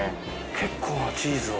結構チーズを。